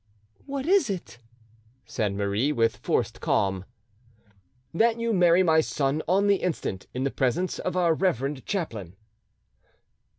"What is it?" said Marie, with forced calm. "That you marry my son on the instant, in the presence of our reverend chaplain."